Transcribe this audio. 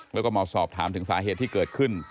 แล้วก็มาสอบถามถึงสาเหตุที่เกิดขึ้น